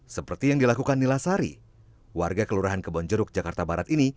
seperti yang dilakukan nila sari warga kelurahan kebonjeruk jakarta barat ini